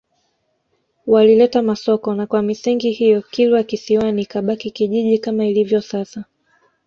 Walileta Masoko na kwa misingi hiyo Kilwa Kisiwani ikabaki kijiji kama ilivyo sasa